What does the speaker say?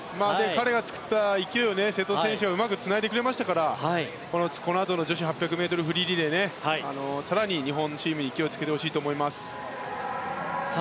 彼が作った勢いを瀬戸選手はうまくつないでくれましたからこのあとの女子８００ｍフリーリレーで更に日本チームに勢いをつけてほしいと思います。